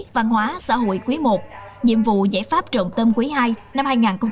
văn hóa xã hội quý i nhiệm vụ giải pháp trọng tâm quý ii năm hai nghìn hai mươi